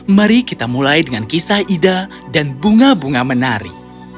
mari kita mulai dengan kisah ida dan bunga bunga menari